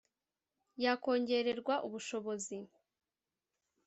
yakongererwa ubushobozi